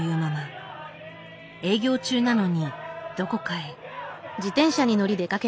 営業中なのにどこかへ。